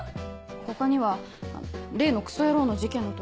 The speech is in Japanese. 他には例のクソ野郎の事件の時。